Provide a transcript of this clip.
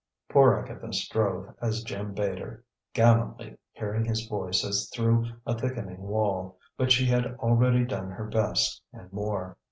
Poor Agatha strove as Jim bade her, gallantly, hearing his voice as through a thickening wall; but she had already done her best, and more.